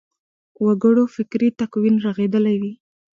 وګړو فکري تکوین رغېدلی وي.